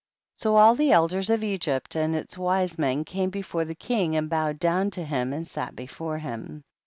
1 1 . So all the elders of Egypt and its wise men came before the king and bowed down to him and sat be fore him.